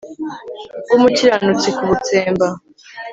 bw'umukiranutsi kubutsemba